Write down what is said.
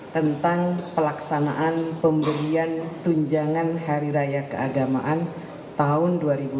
tentang pelaksanaan pemberian tunjangan hari raya keagamaan tahun dua ribu dua puluh